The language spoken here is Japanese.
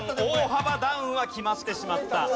大幅ダウンは決まってしまった。